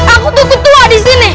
aku tuh ketua di sini